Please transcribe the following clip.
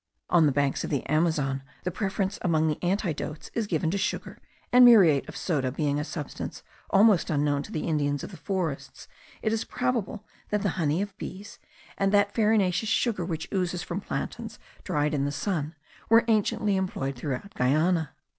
On the banks of the Amazon, the preference among the antidotes is given to sugar; and muriate of soda being a substance almost unknown to the Indians of the forests, it is probable that the honey of bees, and that farinaceous sugar which oozes from plantains dried in the sun, were anciently employed throughout Guiana.